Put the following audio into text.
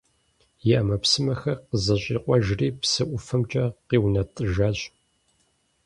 И Ӏэмэпсымэхэр къызэщӀикъуэжри, псы ӀуфэмкӀэ къиунэтӀыжащ.